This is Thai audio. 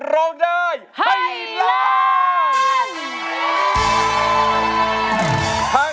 ร้องได้ให้ล้าน